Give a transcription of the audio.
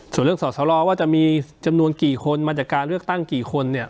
ส่วนเรื่องสอสรว่าจะมีจำนวนกี่คนมาจากการเลือกตั้งกี่คนเนี่ย